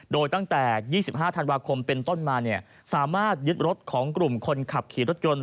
โดยตั้งแต่๒๕ธันวาคมเป็นต้นมาเนี่ยสามารถยึดรถของกลุ่มคนขับขี่รถยนต์